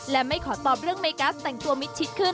และไม่ขอตอบเรื่องเมกัสแต่งตัวมิดชิดขึ้น